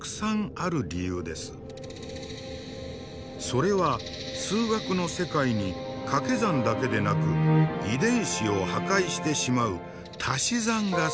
それは数学の世界にかけ算だけでなく遺伝子を破壊してしまうたし算が存在しているからだというのです。